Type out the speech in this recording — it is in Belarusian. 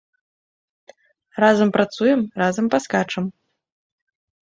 Разам працуем, разам паскачам.